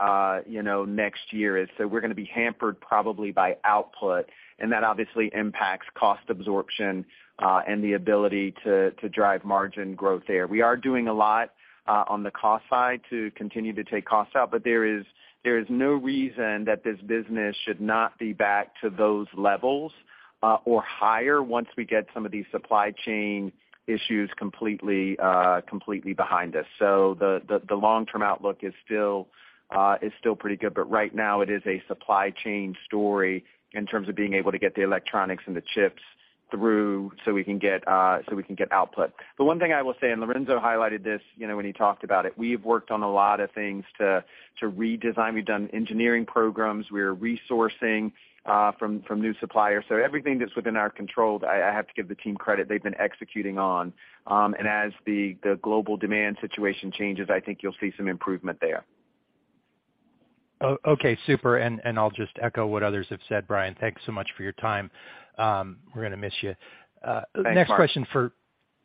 you know, next year. We're gonna be hampered probably by output, and that obviously impacts cost absorption, and the ability to drive margin growth there. We are doing a lot on the cost side to continue to take costs out, but there is no reason that this business should not be back to those levels or higher once we get some of these supply chain issues completely behind us. The long-term outlook is still pretty good, but right now it is a supply chain story in terms of being able to get the electronics and the chips through so we can get output. The one thing I will say, and Lorenzo highlighted this, you know, when he talked about it, we've worked on a lot of things to redesign. We've done engineering programs. We're resourcing from new suppliers. Everything that's within our control, I have to give the team credit they've been executing on. As the global demand situation changes, I think you'll see some improvement there. Okay, super. I'll just echo what others have said, Brian, thanks so much for your time. We're gonna miss you. Thanks, Marc. Next question for.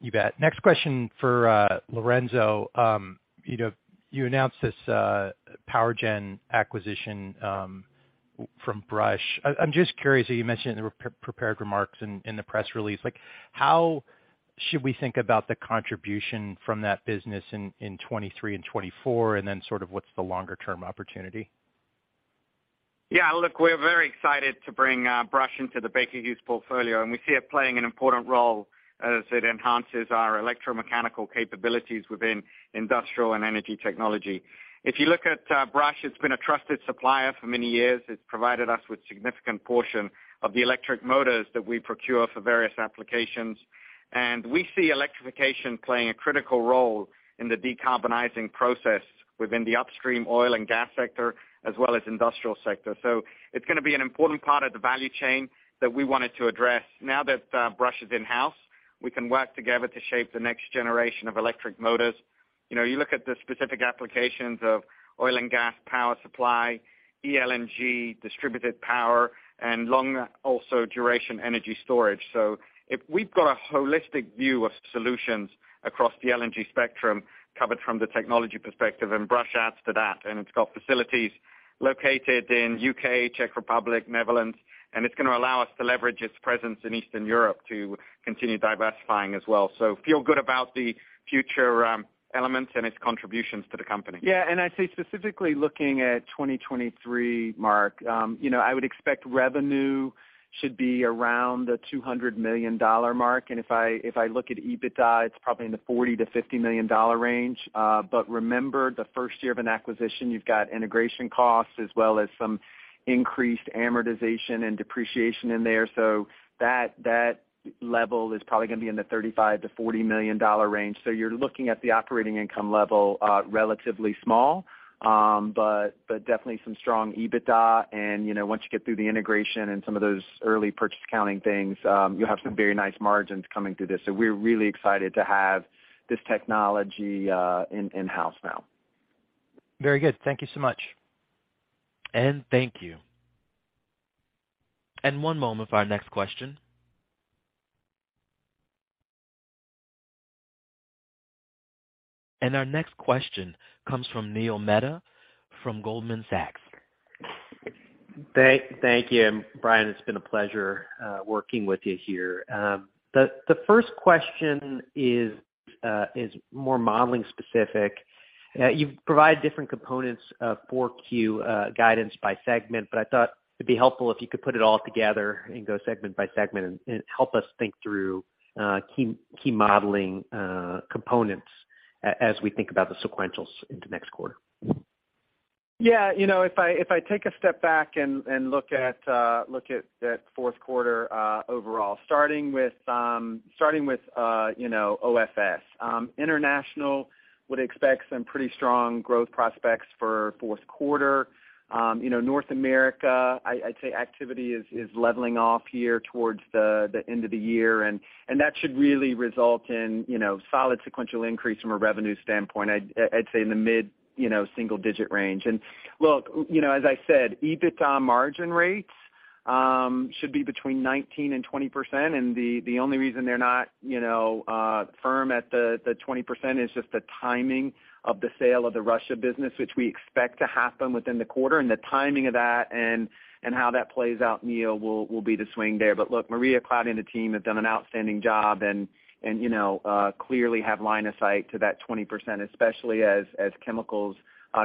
You bet. Next question for, Lorenzo. You know, you announced this power gen acquisition from BRUSH. I'm just curious, you mentioned in the prepared remarks in the press release, like how should we think about the contribution from that business in 2023 and 2024, and then sort of what's the longer term opportunity? Yeah, look, we're very excited to bring BRUSH into the Baker Hughes portfolio, and we see it playing an important role as it enhances our electromechanical capabilities within industrial and energy technology. If you look at BRUSH, it's been a trusted supplier for many years. It's provided us with significant portion of the electric motors that we procure for various applications. We see electrification playing a critical role in the decarbonizing process within the upstream oil and gas sector, as well as industrial sector. It's gonna be an important part of the value chain that we wanted to address. Now that BRUSH is in-house, we can work together to shape the next generation of electric motors. You know, you look at the specific applications of oil and gas, power supply, ELNG, distributed power, and long-duration energy storage. If we've got a holistic view of solutions across the LNG spectrum covered from the technology perspective, and BRUSH adds to that, and it's got facilities located in UK, Czech Republic, Netherlands, and it's gonna allow us to leverage its presence in Eastern Europe to continue diversifying as well. Feel good about the future elements and its contributions to the company. Yeah. I'd say specifically looking at 2023, Marc, you know, I would expect revenue should be around the $200 million mark. If I look at EBITDA, it's probably in the $40 million-$50 million range. But remember, the first year of an acquisition, you've got integration costs as well as some increased amortization and depreciation in there. That level is probably gonna be in the $35 million-$40 million range. You're looking at the operating income level, relatively small. But definitely some strong EBITDA. You know, once you get through the integration and some of those early purchase accounting things, you'll have some very nice margins coming through this. We're really excited to have this technology in-house now. Very good. Thank you so much. Thank you. One moment for our next question. Our next question comes from Neil Mehta from Goldman Sachs. Thank you. Brian, it's been a pleasure working with you here. The first question is more modeling specific. You've provided different components of Q4 guidance by segment, but I thought it'd be helpful if you could put it all together and go segment by segment and help us think through key modeling components as we think about the sequentials into next quarter. Yeah. You know, if I take a step back and look at that fourth quarter, overall, starting with, you know, OFS. Internationally, we'd expect some pretty strong growth prospects for fourth quarter. You know, North America, I'd say activity is leveling off here towards the end of the year, and that should really result in, you know, solid sequential increase from a revenue standpoint, I'd say in the mid single digit range. Look, you know, as I said, EBITDA margin rates should be between 19%-20%. The only reason they're not, you know, firm at the 20% is just the timing of the sale of the Russian business, which we expect to happen within the quarter. The timing of that and how that plays out, Neil, will be the swing there. But look, Maria Claudia and the team have done an outstanding job and you know clearly have line of sight to that 20%, especially as chemicals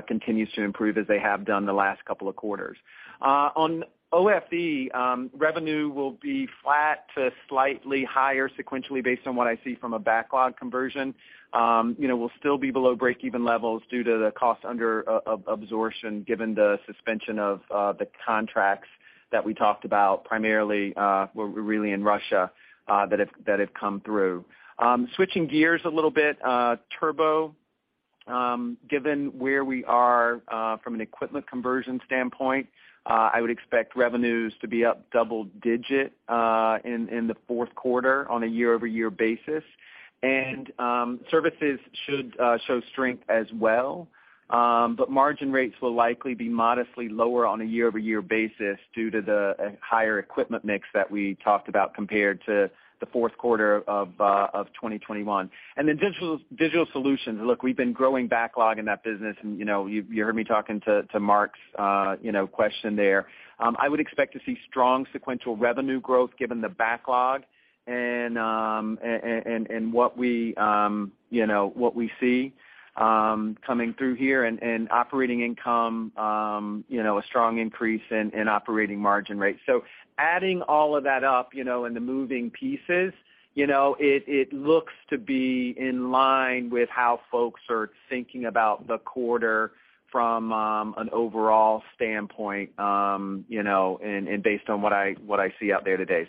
continues to improve as they have done the last couple of quarters. On OFE, revenue will be flat to slightly higher sequentially based on what I see from a backlog conversion. You know, we'll still be below break-even levels due to the cost under absorption given the suspension of the contracts that we talked about primarily where really in Russia that have come through. Switching gears a little bit, Turbo, given where we are, from an equipment conversion standpoint, I would expect revenues to be up double-digit in the fourth quarter on a year-over-year basis. Services should show strength as well. But margin rates will likely be modestly lower on a year-over-year basis due to the higher equipment mix that we talked about compared to the fourth quarter of 2021. Digital solutions. Look, we've been growing backlog in that business and, you know, you heard me talking to Marc's, you know, question there. I would expect to see strong sequential revenue growth given the backlog and what we, you know, what we see coming through here and operating income, you know, a strong increase in operating margin rates. Adding all of that up, you know, and the moving pieces, you know, it looks to be in line with how folks are thinking about the quarter from an overall standpoint, you know, and based on what I see out there today.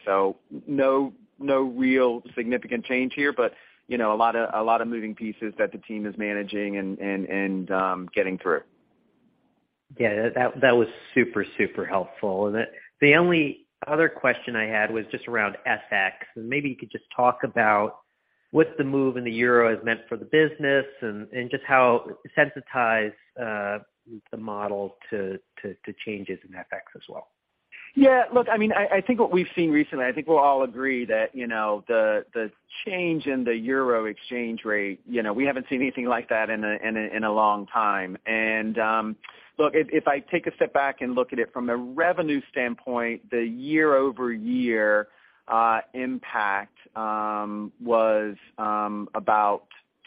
No real significant change here, but, you know, a lot of moving pieces that the team is managing and getting through. Yeah, that was super helpful. The only other question I had was just around FX, and maybe you could just talk about what has the move in the euro meant for the business and just how sensitive the model to changes in FX as well? Yeah. Look, I mean, I think what we've seen recently, I think we'll all agree that, you know, the change in the euro exchange rate, you know, we haven't seen anything like that in a long time. Look, if I take a step back and look at it from a revenue standpoint, the year-over-year impact was about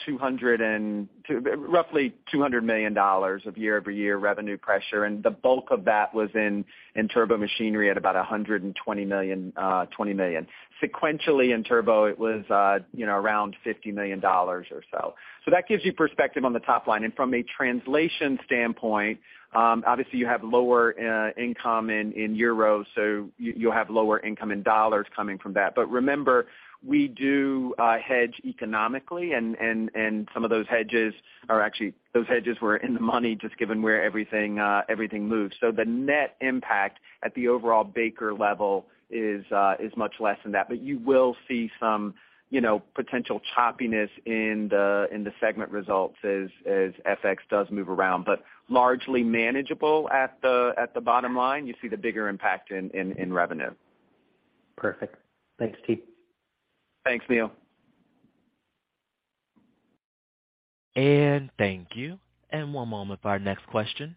roughly $200 million of year-over-year revenue pressure, and the bulk of that was in Turbomachinery at about $120 million, $20 million. Sequentially in turbo, it was, you know, around $50 million or so. That gives you perspective on the top line. From a translation standpoint, obviously you have lower income in euro, so you'll have lower income in dollars coming from that. But remember, we do hedge economically and some of those hedges are actually, those hedges were in the money just given where everything moves. So the net impact at the overall Baker level is much less than that. But you will see some, you know, potential choppiness in the segment results as FX does move around, but largely manageable at the bottom line. You see the bigger impact in revenue. Perfect. Thanks, Brian Worrell. Thanks, Neil. Thank you. One moment for our next question.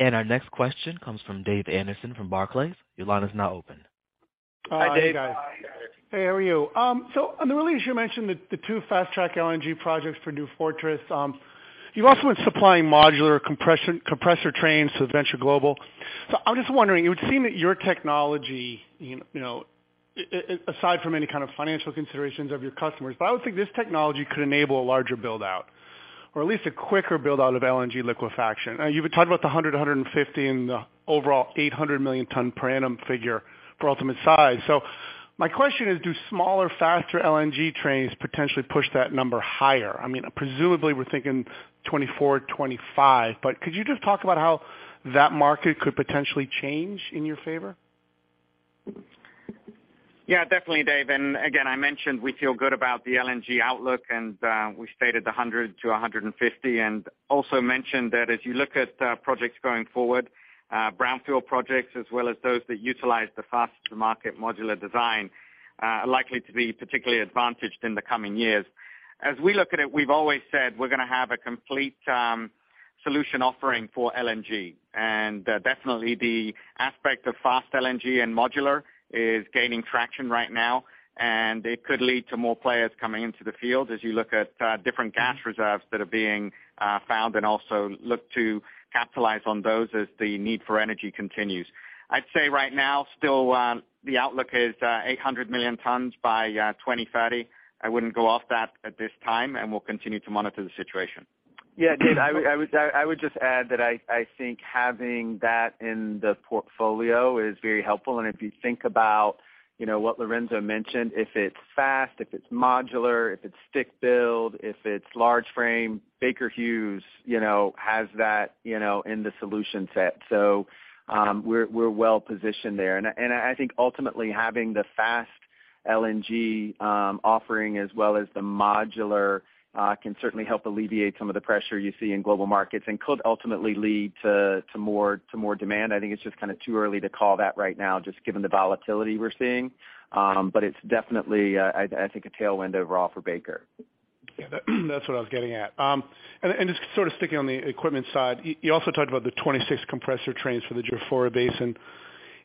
Our next question comes from David Anderson from Barclays. Your line is now open. Hi, Dave. Hi, guys. Hey, how are you? On the release you mentioned the two Fast LNG projects for New Fortress Energy. You're also supplying modular compressor trains to Venture Global. I'm just wondering, it would seem that your technology, you know, aside from any kind of financial considerations of your customers, but I would think this technology could enable a larger build out or at least a quicker build out of LNG liquefaction. You've talked about the 150 in the overall 800 million tons per annum figure for ultimate size. My question is, do smaller, faster LNG trains potentially push that number higher? I mean, presumably we're thinking 24, 25, but could you just talk about how that market could potentially change in your favor? Yeah, definitely, Dave. Again, I mentioned we feel good about the LNG outlook, and we stated 100 to 150 and also mentioned that as you look at projects going forward, Brownfield projects as well as those that utilize the fast to market modular design are likely to be particularly advantaged in the coming years. As we look at it, we've always said we're gonna have a complete solution offering for LNG. Definitely the aspect of Fast LNG and modular is gaining traction right now, and it could lead to more players coming into the field as you look at different gas reserves that are being found and also look to capitalize on those as the need for energy continues. I'd say right now still the outlook is 800 million tons by 2030. I wouldn't go off that at this time, and we'll continue to monitor the situation. Yeah, Dave, I would just add that I think having that in the portfolio is very helpful. If you think about, you know, what Lorenzo mentioned, if it's Fast, if it's modular, if it's stick build, if it's large frame, Baker Hughes, you know, has that, you know, in the solution set. We're well positioned there. I think ultimately having the Fast LNG offering as well as the modular can certainly help alleviate some of the pressure you see in global markets and could ultimately lead to more demand. I think it's just kinda too early to call that right now, just given the volatility we're seeing. It's definitely, I think, a tailwind overall for Baker. Yeah, that's what I was getting at. Just sort of sticking on the equipment side, you also talked about the 26 compressor trains for the Jafurah Basin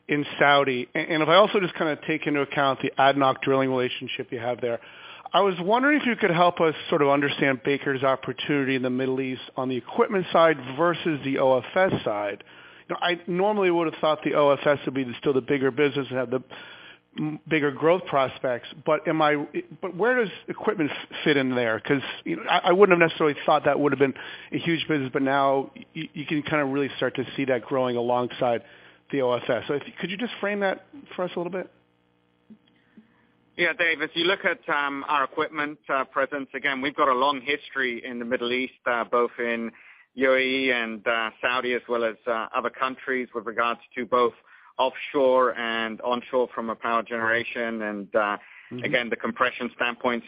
in Saudi. If I also just kinda take into account the ADNOC drilling relationship you have there, I was wondering if you could help us sort of understand Baker's opportunity in the Middle East on the equipment side versus the OFS side. You know, I normally would've thought the OFS would be still the bigger business and have the bigger growth prospects. Where does equipment sit in there? 'Cause I wouldn't have necessarily thought that would've been a huge business, but now you can kind of really start to see that growing alongside the OFS. Could you just frame that for us a little bit? Yeah, Dave. If you look at our equipment presence, again, we've got a long history in the Middle East, both in UAE and Saudi as well as other countries with regards to both offshore and onshore from a power generation and again, the compression standpoint.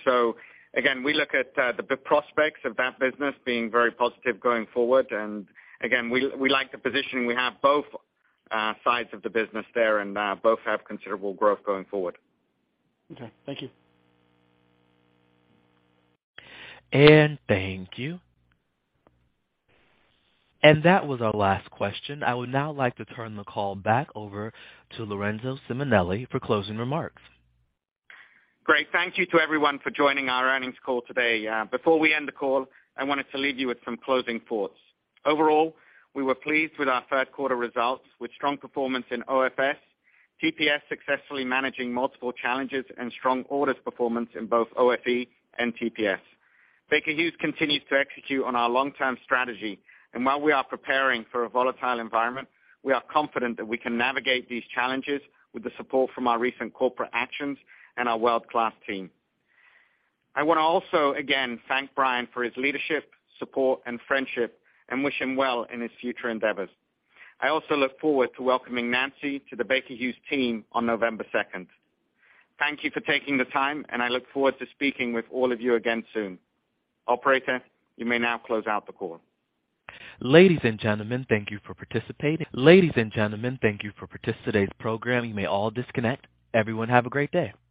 Again, we look at the prospects of that business being very positive going forward. Again, we like the positioning. We have both sides of the business there, and both have considerable growth going forward. Okay. Thank you. Thank you. That was our last question. I would now like to turn the call back over to Lorenzo Simonelli for closing remarks. Great. Thank you to everyone for joining our earnings call today. Before we end the call, I wanted to leave you with some closing thoughts. Overall, we were pleased with our third quarter results with strong performance in OFS, TPS successfully managing multiple challenges and strong orders performance in both OFE and TPS. Baker Hughes continues to execute on our long-term strategy. While we are preparing for a volatile environment, we are confident that we can navigate these challenges with the support from our recent corporate actions and our world-class team. I wanna also again thank Brian for his leadership, support, and friendship and wish him well in his future endeavors. I also look forward to welcoming Nancy to the Baker Hughes team on November second. Thank you for taking the time, and I look forward to speaking with all of you again soon. Operator, you may now close out the call. Ladies and gentlemen, thank you for participating in today's program. You may all disconnect. Everyone, have a great day.